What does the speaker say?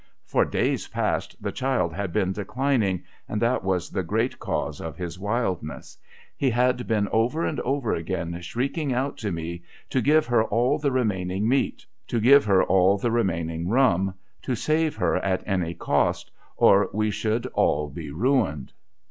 For days past the child had been declining, and that was the great cause of his wildness. He had been over and over again shrieking out to me to give her all the remaining meat, to give her 132 THE WRFXK OF THE GOLDEN MARY all the remaining rum, to save her at any cost, or we should all be runicd.